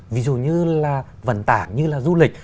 ví dụ như là vận tảng như là du lịch